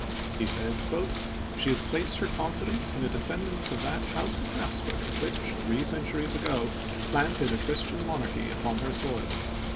He said, " She has placed her confidence in a descendant of that House of Hapsburg which, three centuries ago, planted a Christian monarchy upon her soil.